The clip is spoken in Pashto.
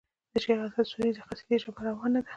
د شېخ اسعد سوري د قصيدې ژبه روانه ده.